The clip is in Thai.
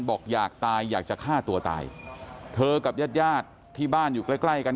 บอกอยากตายอยากจะฆ่าตัวตายเธอกับญาติญาติที่บ้านอยู่ใกล้ใกล้กัน